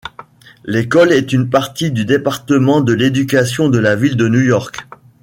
L'école est une partie du Département de l'Éducation de la Ville de New York.